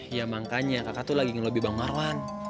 ya makanya kakak tuh lagi ngelobi bang marwan